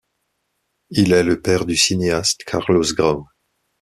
Il est le père du cinéaste Carlos Grau.